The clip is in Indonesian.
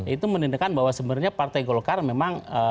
itu menindakan bahwa sebenarnya partai golkar memang